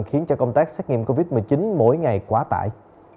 khiến cho công tác xét nghiệm covid một mươi chín mỗi ngày quá tải